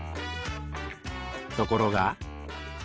ところが。